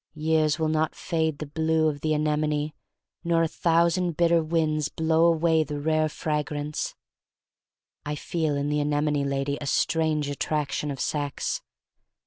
Years will not fade the blue of the anemone, nor a thousand bitter winds blow away the rare fragrance. I feel in the anemone lady a strange attraction of sex.